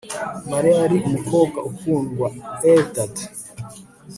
Mariya yari umukobwa ukundwa Eldad